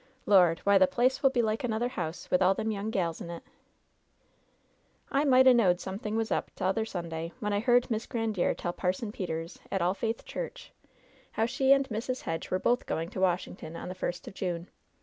Lord ! why, the place will be like another house, with all them young ^Is in it I" "I might 'a' knowed somethin' was up t'other Sunday, when I heard Miss Grandiere tell Parson Peters, at. All Faith Church, how she and Mrs. Hedge were both going to Washington on the first of June.